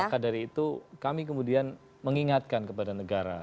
maka dari itu kami kemudian mengingatkan kepada negara